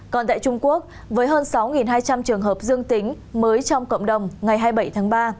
còn tại trung quốc với hơn sáu hai trăm linh trường hợp dương tính mới trong cộng đồng ngày hai mươi bảy tháng ba